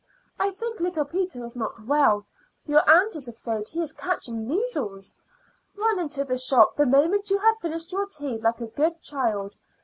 I think little Peter is not well; your aunt is afraid he is catching measles. Run into the shop the moment you have finished your tea, like a good child.